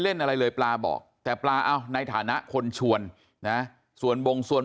เล่นอะไรเลยปลาบอกแต่ปลาเอาในฐานะคนชวนนะส่วนบงส่วน